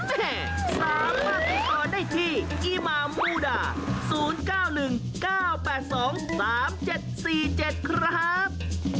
แม่สามารถติดต่อได้ที่อีมามูดา๐๙๑๙๘๒๓๗๔๗ครับ